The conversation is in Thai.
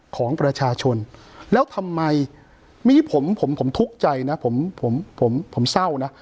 ของประชาชนแล้วทำไมมีผมผมทุกข์ใจนะผมผมเศร้านะ